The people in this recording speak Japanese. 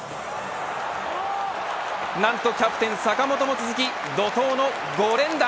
なんとキャプテン坂本も続き怒涛の５連打。